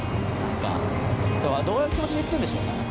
どういう気持ちで言ってるんでしょうね。